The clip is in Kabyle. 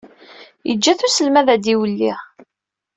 Yeǧǧa-t uselmad ad iwelli.